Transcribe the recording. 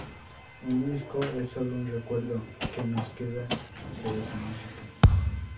Un disco es solo un recuerdo que nos queda de esa música.